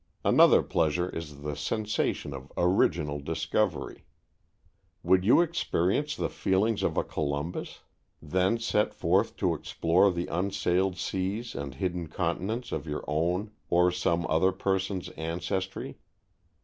Another pleasure is the sensation of original discovery. Would you experience the feelings of a Columbus? Then set forth to explore the unsailed seas and hidden continents of your own or some other person's ancestry!